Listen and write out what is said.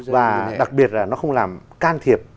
và đặc biệt là nó không làm can thiệp